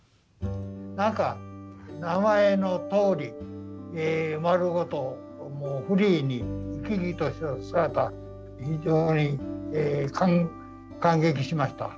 何か名前のとおり丸ごともうフリーに生き生きとした姿非常に感激しました。